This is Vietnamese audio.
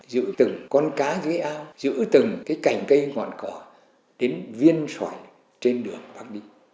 giữ từng con cá ghế ao giữ từng cái cảnh cây ngọn cỏ đến viên soạn trên đường bác đi